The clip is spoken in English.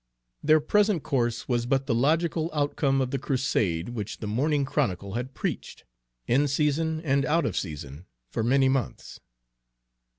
Their present course was but the logical outcome of the crusade which the Morning Chronicle had preached, in season and out of season, for many months.